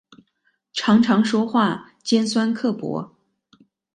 常常说话尖酸刻薄